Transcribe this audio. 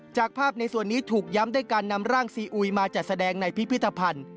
จากภาพในส่วนนี้ถูกย้ำด้วยการนำร่างซีอุยมาจัดแสดงในพิพิธภัณฑ์